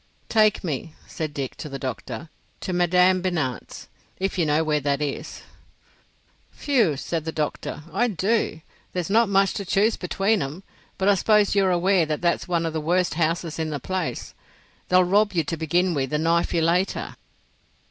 "Take me," said Dick, to the doctor, "to Madame Binat's—if you know where that is." "Whew!" said the doctor, "I do. There's not much to choose between 'em; but I suppose you're aware that that's one of the worst houses in the place. They'll rob you to begin with, and knife you later."